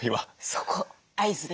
そこ合図です。